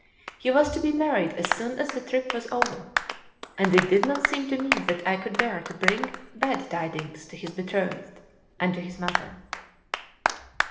He was to be married as soon as the trip was over; and it did not seem to me that I could bear to bring bad tidings to his betrothed and to his mother.